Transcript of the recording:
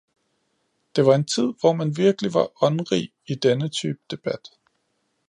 Det var en tid, hvor man virkelig var åndrig i denne type debat.